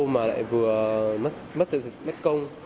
mà lại vừa mất công